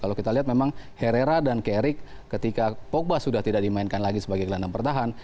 kalau kita lihat memang herrera dan carrick ketika pogba sudah tidak dimainkan lagi sebagai gelandang pertahan